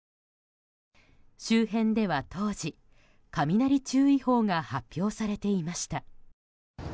周辺では当時雷注意報が発表されていました。